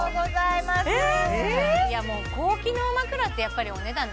いやもう高機能枕ってやっぱりお値段